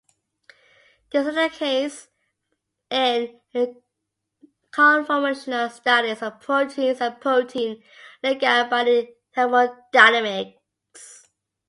This is the case in conformational studies of proteins and protein-ligand binding thermodynamics.